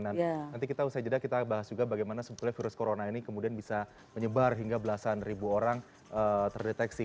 nanti kita usai jeda kita bahas juga bagaimana sebetulnya virus corona ini kemudian bisa menyebar hingga belasan ribu orang terdeteksi